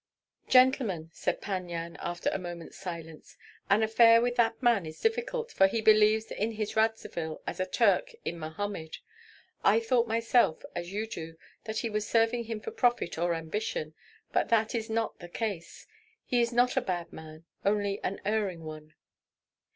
"Gentlemen," said Pan Yan, after a moment's silence, "an affair with that man is difficult, for he believes in his Radzivill as a Turk in Mohammed. I thought myself, as you do, that he was serving him for profit or ambition, but that is not the case. He is not a bad man, only an erring one."